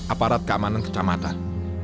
aparat keamanan kecamatan